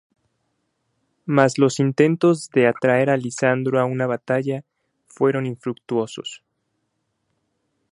Más los intentos de atraer a Lisandro a una batalla fueron infructuosos.